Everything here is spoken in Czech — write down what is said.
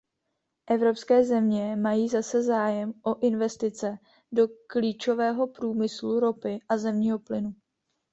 Evropské země mají zase zájem o investice do klíčového průmyslu ropy a zemního plynu.